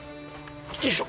よいしょ。